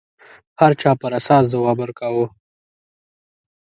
هر چا پر اساس ځواب ورکاوه